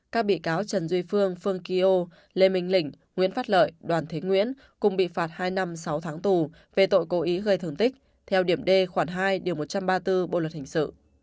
các bị cáo trần duy phương phương kỳ ô lê minh lĩnh nguyễn phát lợi đoàn thế nguyễn cùng bị phạt hai năm sáu tháng tù về tội cố ý gây thương tích theo điểm d khoảng hai điều một trăm ba mươi bốn bộ luật hình sự